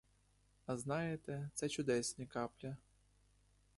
А знаєте, це чудесні каплі!